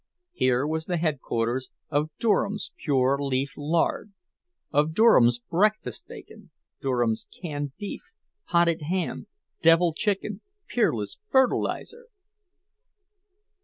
Here was the headquarters of Durham's Pure Leaf Lard, of Durham's Breakfast Bacon, Durham's Canned Beef, Potted Ham, Deviled Chicken, Peerless Fertilizer!